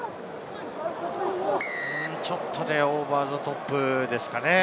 ちょっとオーバーザトップですかね。